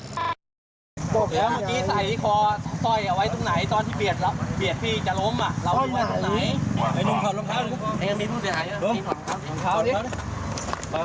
เดี๋ยวเมื่อกี้ใส่ซอยเอาไว้ตรงไหน